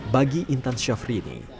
bagi intan syafri ini